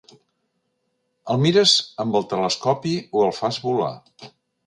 El mires amb el telescopi o el fas volar.